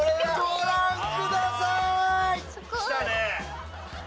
ご覧ください！